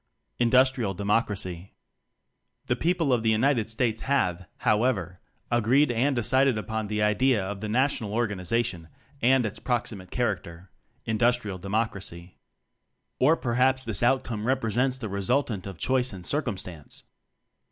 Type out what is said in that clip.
Industrial Democracy. The people of the United States have, however, agreed and decided upon the idea of the National Or ganization and its proximate charac ter Industrial Democracy. Or perhaps this outcome represents the resultant of choice and circumstance.